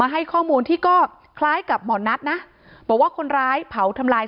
ให้ข้อมูลที่ก็คล้ายกับหมอนัทนะบอกว่าคนร้ายเผาทำลาย